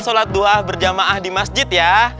sholat doa berjamaah di masjid ya